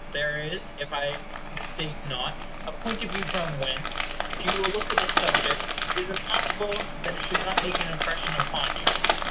There is, if I mistake not, a point of view from whence, if you will look at the subject, it is impossible that it should not make an impression upon you.